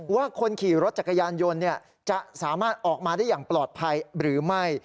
ว่าคนขี่รถจักรยานยนต์จะสามารถออกมาได้อย่างปลอดภัยหรือไม่